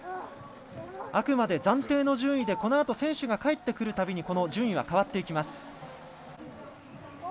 あくまで暫定の順位でこのあと選手が帰ってくるたびに順位は変わっていきます。